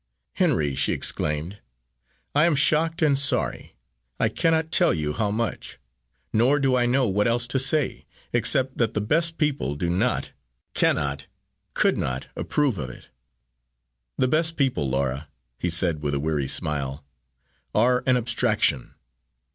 "Henry," she exclaimed, "I am shocked and sorry, I cannot tell you how much! Nor do I know what else to say, except that the best people do not cannot could not approve of it!" "The best people, Laura," he said with a weary smile, "are an abstraction.